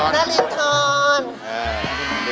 นารินทร